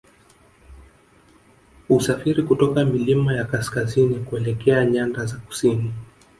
Husafiri kutoka milima ya kaskazini kuelekea nyanda za kusini